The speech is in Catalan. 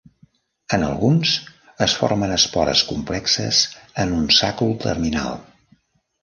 En alguns, es formen espores complexes en un sàcul terminal.